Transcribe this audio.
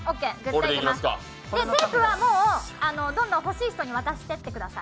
テープはもうどんどん欲しい人に渡してください。